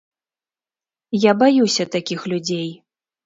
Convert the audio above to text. Я баюся такіх людзей.